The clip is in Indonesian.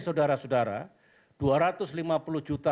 saudara saudara dua ratus lima puluh juta